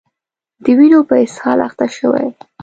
د وینو په اسهال اخته شوي